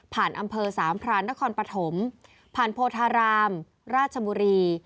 อำเภอสามพรานนครปฐมผ่านโพธารามราชบุรี